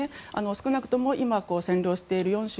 少なくとも今、占領している４州